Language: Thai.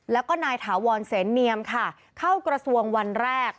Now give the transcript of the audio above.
แล้วก็นายถาวรเสนเนียมค่ะเข้ากระทรวงวันแรก